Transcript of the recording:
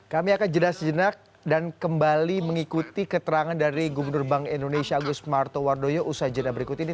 kami akan jelas jenak dan kembali mengikuti keterangan dari gubernur bank indonesia agus martowardoyo usaha jena berikut ini